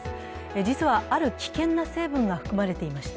実は、ある危険な成分が含まれていました。